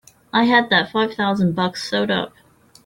I had that five thousand bucks sewed up!